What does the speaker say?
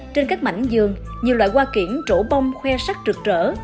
trên các mảnh giường nhiều loại hoa kiển trổ bông khoe sắc trực trở